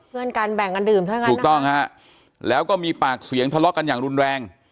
เพื่อนกันแบ่งกันดื่มใช่ไหมถูกต้องฮะแล้วก็มีปากเสียงทะเลาะกันอย่างรุนแรง